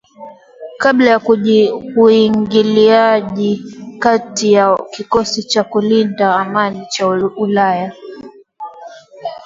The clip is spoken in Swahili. kabla ya uingiliaji kati wa kikosi cha kulinda amani cha ulaya